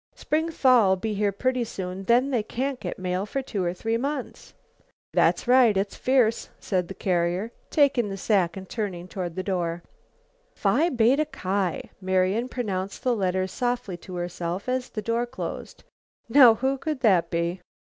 Spring thaw'll be here pretty soon, then they can't get mail for two or three months." "That's right; it's fierce," said the carrier, taking the sack and turning toward the door. "Phi Beta Ki," Marian pronounced the letters softly to herself as the door closed. "Now who could that be?"